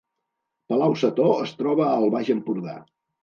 Palau-sator es troba al Baix Empordà